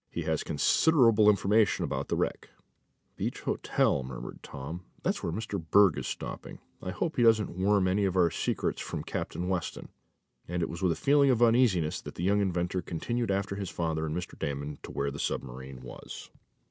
He has considerable information about the wreck." "The Beach Hotel," murmured Tom. "That is where Mr. Berg is stopping. I hope he doesn't worm any of our secret from Captain Weston," and it was with a feeling of uneasiness that the young inventor continued after his father and Mr. Damon to where the submarine was.